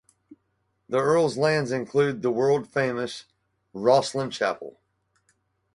The Earl's lands include the world-famous Rosslyn Chapel.